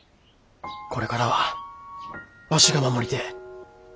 これからはわしが守りてえ。